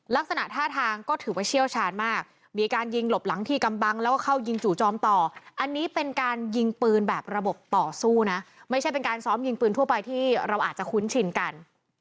ลักษณะท่าทางก็ถือว่าเชี่ยวชาญมากมีการยิงหลบหลังที่กำบังแล้วก็เข้ายิงจู่จอมต่ออันนี้เป็นการยิงปืนแบบระบบต่อสู้นะไม่ใช่เป็นการซ้อมยิงปืนทั่วไปที่เราอาจจะคุ้นชินกัน